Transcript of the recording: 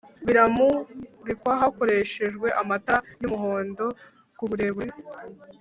biramurikwa hakoreshejwe amatara y' uhondo kuburebure